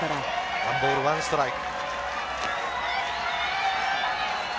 ２ボール１ストライク。